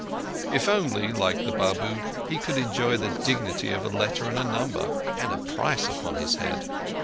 If only, like the Babu, he could enjoy the dignity of a letter and a number—and a price upon his head!